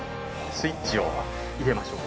スイッチを入れましょう。